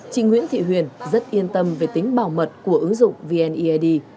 chị nguyễn thị huyền rất yên tâm về tính bảo mật của ứng dụng vneid